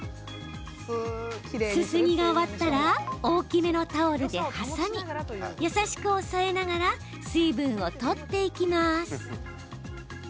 すすぎが終わったら大きめのタオルで挟み優しく押さえながら水分を取っていきます。